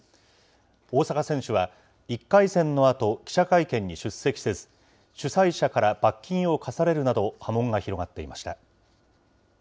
大坂選手は、１回戦のあと、記者会見に出席せず、主催者から罰金を科されるなど、波紋が広がっていました。